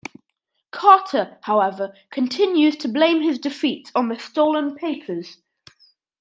Carter, however, continues to blame his defeat on the stolen papers.